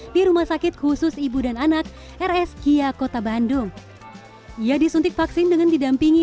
di rumah sakit khusus ibu dan anak rs kia kota bandung ia disuntik vaksin dengan didampingi